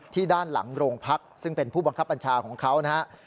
ด้านหลังโรงพักซึ่งเป็นผู้บังคับบัญชาของเขานะครับ